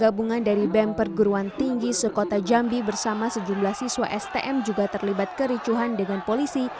gabungan dari bem perguruan tinggi sekota jambi bersama sejumlah siswa stm juga terlibat kericuhan dengan polisi